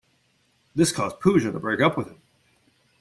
This caused Pooja to break up with him.